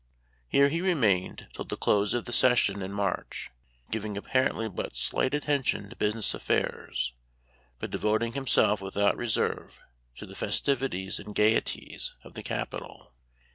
Here he re mained till the close of the session in March, giving apparently but slight attention to busi ness affairs, but devoting himself without re serve to the festivities and gayeties of the Memoir of Washington Irving. y$ capital.